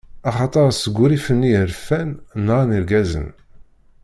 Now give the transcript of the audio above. Axaṭer seg urrif-nni i rfan, nɣan irgazen;